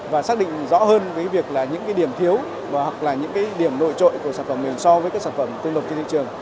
và xác định rõ hơn về những điểm thiếu hoặc là những điểm nội trội của sản phẩm mình so với các sản phẩm tương đồng trên thị trường